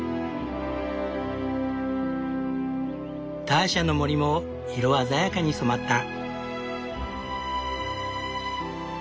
ターシャの森も色鮮やかに染まった。